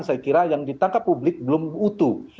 saya kira yang ditangkap publik belum utuh